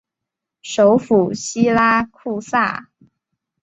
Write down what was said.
首府锡拉库萨。